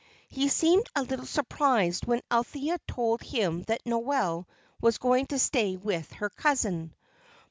He seemed a little surprised when Althea told him that Noel was going to stay with her cousin.